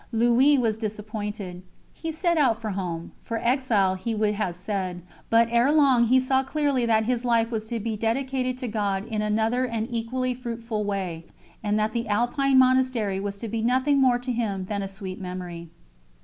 Louis was disappointed. He set out for home for exile he would have said but ere long he saw clearly that his life was to be dedicated to God in another and equally fruitful way, and that the Alpine monastery was to be nothing more to him than a sweet memory.